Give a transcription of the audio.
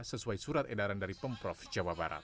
sesuai surat edaran dari pemprov jawa barat